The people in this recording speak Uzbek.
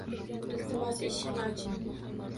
Iltimos, eshikni oching